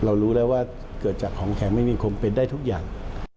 รู้แล้วว่าเกิดจากของแข็งไม่มีคมเป็นได้ทุกอย่าง